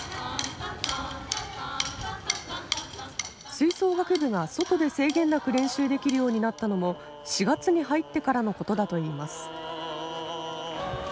吹奏楽部が外で制限なく練習できるようになったのも４月に入ってからのことだといいます。